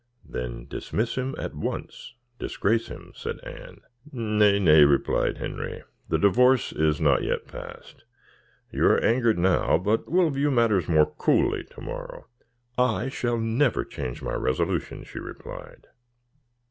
"Then dismiss him at once, disgrace him," said Anne. "Nay, nay," replied Henry, "the divorce is not yet passed. You are angered now, and will view matters more coolly to morrow." "I shall never change my resolution," she replied.